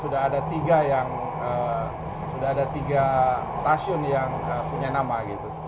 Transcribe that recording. sudah ada tiga yang sudah ada tiga stasiun yang punya nama gitu